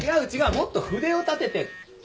もっと筆を立ててこう！